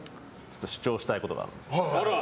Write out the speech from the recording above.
主張したいことがある。